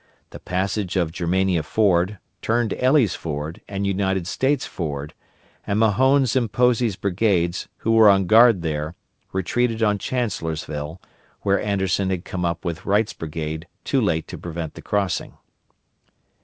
The passage of Germania Ford turned Elley's Ford and United States Ford, and Mahone's and Posey's brigades, who were on guard there, retreated on Chancellorsville, where Anderson had come up with Wright's brigade too late to prevent the crossing.